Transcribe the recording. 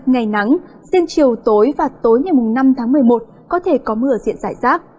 ngày nắng riêng chiều tối và tối ngày năm tháng một mươi một có thể có mưa diện rải rác